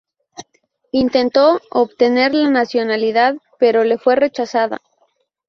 Intentó obtener la nacionalidad pero le fue rechazada.